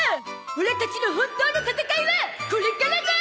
オラたちの本当の戦いはこれからだ！